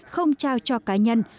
không trao cho cá nhân